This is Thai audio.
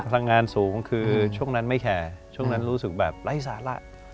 พลังงานสูงคือช่วงนั้นไม่แคร์ช่วงนั้นรู้สึกแบบไร้สาระ